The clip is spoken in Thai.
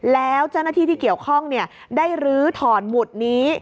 แล้วเจ้าหน้าที่ที่เกี่ยวข้องได้ลื้อถอนหมุดนี้